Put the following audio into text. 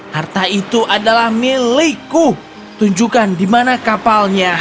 harta itu adalah milikku tunjukkan di mana kapalnya